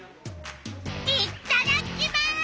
いっただきます！